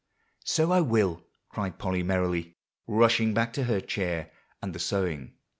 "So I will," cried Polly merrily, rushing back to her chair and the sewing.